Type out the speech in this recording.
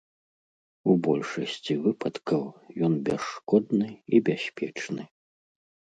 У большасці выпадкаў ён бясшкодны і бяспечны.